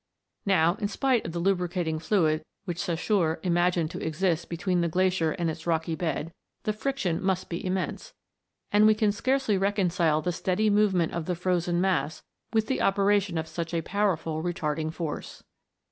Now, in spite of the lubricating fluid which Saussure imagined to exist between the glacier and its rocky bed, the friction must be im mense, and we can scarcely reconcile the steady movement of the frozen mass with the operation of such a powerful retarding force.